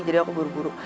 jadi aku buru buru